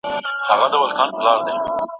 مناظره او څېړنه بشپړ توپیر لري.